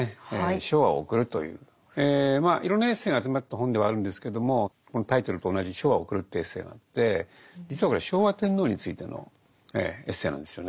まあいろんなエッセイが集まった本ではあるんですけどもこのタイトルと同じ「『昭和』を送る」というエッセイがあって実はこれ昭和天皇についてのエッセイなんですよね。